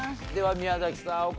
では宮崎さん